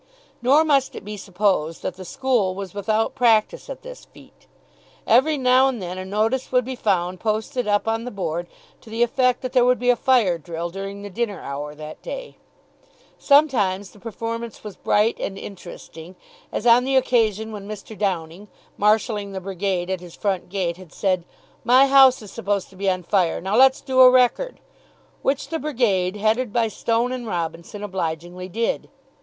Nor must it be supposed that the school was without practice at this feat. Every now and then a notice would be found posted up on the board to the effect that there would be fire drill during the dinner hour that day. Sometimes the performance was bright and interesting, as on the occasion when Mr. Downing, marshalling the brigade at his front gate, had said, "My house is supposed to be on fire. Now let's do a record!" which the Brigade, headed by Stone and Robinson, obligingly did.